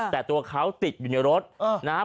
แต่ตัวเขาติดอยู่ในรถนะครับ